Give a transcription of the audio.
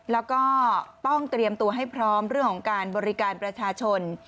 แล้วก็ต้องเตรียมตัวให้พร้อมเรื่องของการบริการประชาชน